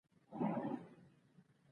شل اووريزه لوبه یوازي څلور ساعته وخت نیسي.